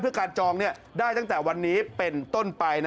เพื่อการจองได้ตั้งแต่วันนี้เป็นต้นไป